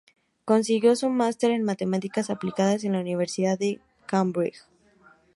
Consiguió su máster en Matemáticas Aplicadas en la Universidad de Cambridge.